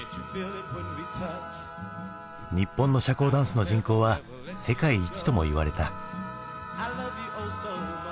日本の社交ダンスの人口は世界一ともいわれた。